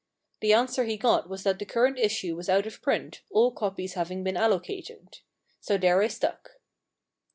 The answer he got was that the current issue was out of print, all copies having been allocated. So there I stuck.